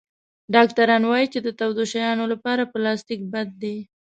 ډاکټران وایي چې د تودو شیانو لپاره پلاستيک بد دی.